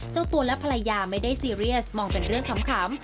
เจ้าตัวและภรรยาไม่ได้ซีเรียสมองเป็นเรื่องขำ